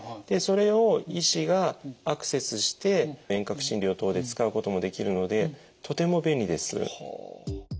でそれを医師がアクセスして遠隔診療等で使うこともできるのでとても便利です。